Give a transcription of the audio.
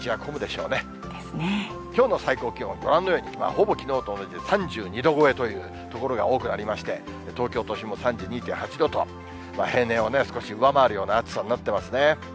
きょうの最高気温はご覧のように、ほぼきのうと同じで３２度超えという所が多くなりまして、東京都心も３２．８度と、平年を少し上回るような暑さになってますね。